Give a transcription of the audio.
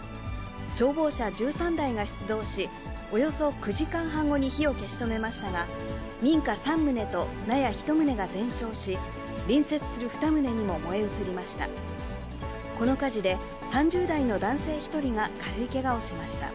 消防車１３台が出動し、およそ９時間半後に火を消し止めましたが、民家３棟と納屋１棟が全焼し、隣接する２棟にも燃え移りました。